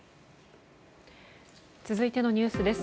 続いてのニュースです。